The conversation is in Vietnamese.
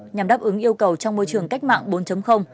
nhằm đáp ứng yêu cầu trong môi trường cách mạng bốn